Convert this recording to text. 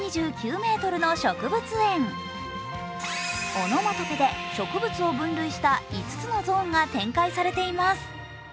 オノマトペで植物を分類した５つのゾーンが展開されています。